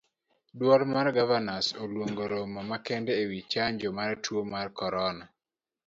Duol mar gavanas oluongo romo makende ewii chanjo mar tuo mar corona.